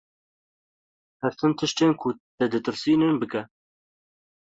Her tim tiştên ku te ditirsînin, bike.